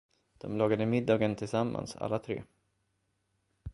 De lagade middagen tillsammans, alla tre.